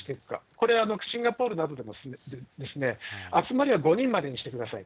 これ、シンガポールなどでも集まりは５人までにしてください。